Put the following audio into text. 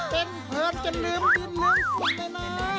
เป็นเพิ่มจะลืมดินเหลือสิ่งด้วยนะ